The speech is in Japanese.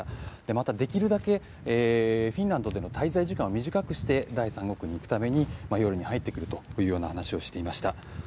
またできるだけフィンランドでの滞在時間を少なくして第三国に行くために夜に入ってくるというような話をしていました。